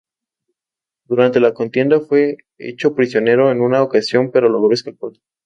Durante la contienda fue hecho prisionero en una ocasión pero logró escapar.